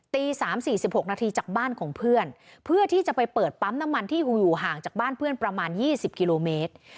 ตี๓๔๖นาทีจากบ้านของเพื่อนเพื่อที่จะไปเปิดปั๊มน้ำมันที่อยู่ห่างจากบ้านเพื่อนประมาณ๒๐กิโลเมตร